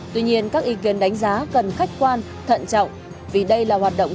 tuy nhiên các ý kiến đánh giá cần khách quan thận trọng